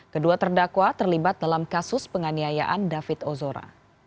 kedua terdakwa terlibat dalam kasus penganiayaan david ozora